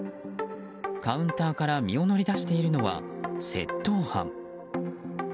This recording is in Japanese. カウンターから身を乗り出しているのは窃盗犯。